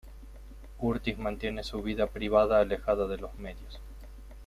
Curtis mantiene su vida privada alejada de los medios.